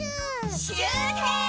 しゅうてん！